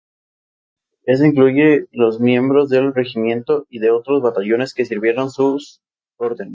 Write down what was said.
Esto incluye los miembros del regimiento y de otros batallones que sirvieron su órdenes.